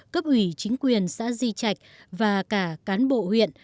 cấp ủy chính quyền xã di trạch và cả cán bộ huyện